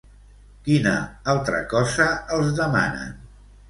Quina altra cosa els demanen?